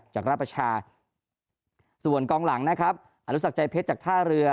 จากราชประชาส่วนกองหลังนะครับอนุสักใจเพชรจากท่าเรือ